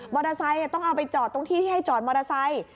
มอเตอร์ไซค์ต้องเอาไปจอดตรงที่ที่ให้จอดมอเตอร์ไซค์